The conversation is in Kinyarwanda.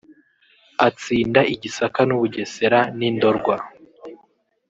atsinda i Gisaka n’u Bugesera n’i Ndorwa